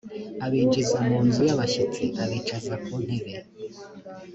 abinjiza mu nzu y abashyitsi abicaza ku ntebe